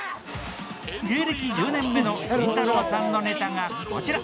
芸歴１０年目のキンタローさんのネタがこちら。